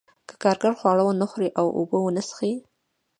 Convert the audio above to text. که کارګر خواړه ونه خوري او اوبه ونه څښي